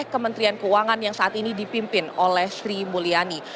kementerian keuangan yang saat ini dipimpin oleh sri mulyani